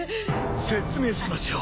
説明しましょう。